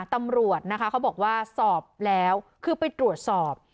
ตำรวจนะคะเขาบอกว่าสอบแล้วคือไปตรวจสอบ